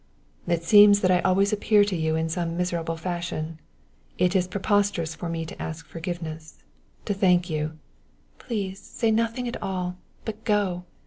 "It seems that I always appear to you in some miserable fashion it is preposterous for me to ask forgiveness. To thank you " "Please say nothing at all but go!